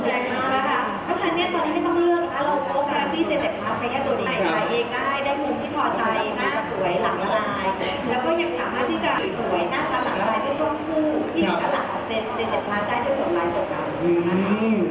เพราะฉะนั้นตอนนี้ไม่ต้องเลือก